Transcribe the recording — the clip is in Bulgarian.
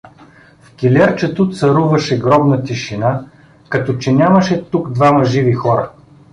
В килерчето царуваше гробна тишина, като че нямаше тук двама живи хора.